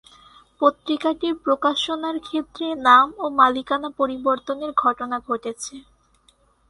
পত্রিকাটির প্রকাশনার ক্ষেত্রে নাম ও মালিকানা পরিবর্তনের ঘটনা ঘটেছে।